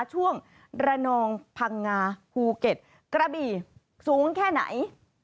ช่วงระนองพังงาภูเก็ตกระบี่สูงแค่ไหน